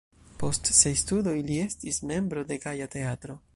Post siaj studoj li estis membro de Gaja Teatro.